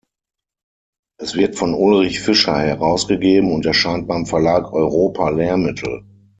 Es wird von Ulrich Fischer herausgegeben und erscheint beim Verlag Europa-Lehrmittel.